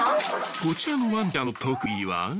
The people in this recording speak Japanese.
こちらのワンちゃんの特技は？